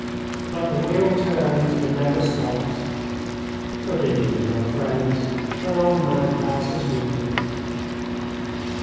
But the wheel turns and never stops. Forgive me, my friends, for an old man has his weakness.